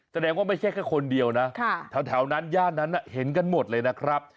แสดงว่าไม่ใช่แค่คนเดียวนะแถวนั้นย่านนั้นเห็นกันหมดเลยนะครับ